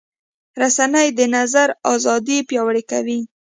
رسنۍ د نظر ازادي پیاوړې کوي.